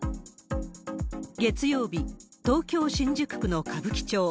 月曜日、東京・新宿区の歌舞伎町。